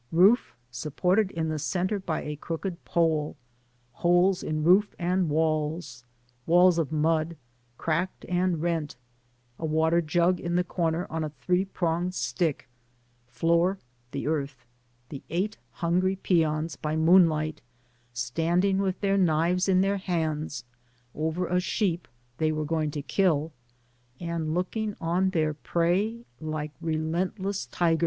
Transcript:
Roof supported in the centre by a crooked pole — Wholes in roof and walls— walls of mud, cracked and rent — ^a water jug in the comer on a three pronged stickr— Floor, the earth — the eight hungry peons, by moonlight, standing with their knives in their hands over a sheep they were going to kill, and looking on their prey like relent less tigers.